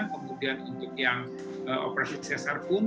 kemudian untuk yang operasi cesar pun